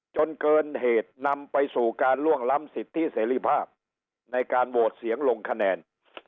จนเกินเหตุนำไปสู่การล่วงล้ำสิทธิเสรีภาพในการโหวตเสียงลงคะแนน